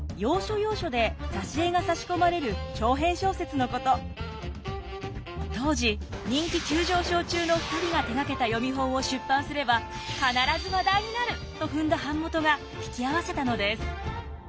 この人物こそ江戸中に知られ始めていた当時人気急上昇中の２人が手がけた読本を出版すれば必ず話題になると踏んだ版元が引き合わせたのです。